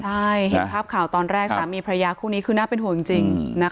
ใช่เห็นภาพข่าวตอนแรกสามีพระยาคู่นี้คือน่าเป็นห่วงจริง